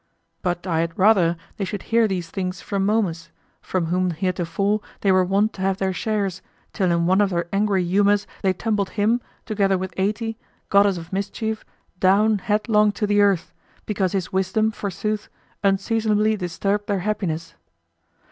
But I had rather they should hear these things from Momus, from whom heretofore they were wont to have their shares, till in one of their angry humors they tumbled him, together with Ate, goddess of mischief, down headlong to the earth, because his wisdom, forsooth, unseasonably disturbed their happiness.